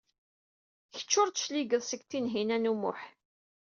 Kecc ur d-tecligeḍ seg Tinhinan u Muḥ.